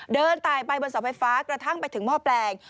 เดินตายไปบนเสาไฟฟ้ากระทั่งไปถึงหม้อแปลง